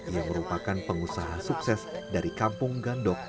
ia merupakan pengusaha sukses dari kampung gandok